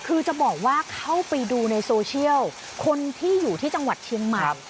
คือจะบอกว่าเข้าไปดูในโซเชียลคนที่อยู่ที่จังหวัดเชียงใหม่